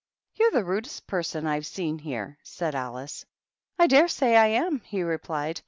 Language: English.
"You're the rudest person I've seen here!" said Alice. "I dare say I am," he replied.